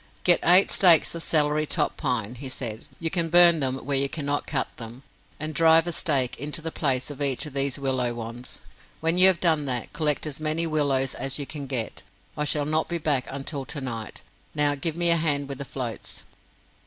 "Get eight stakes of celery top pine," he said. "You can burn them where you cannot cut them, and drive a stake into the place of each of these willow wands. When you have done that, collect as many willows as you can get. I shall not be back until tonight. Now give me a hand with the floats."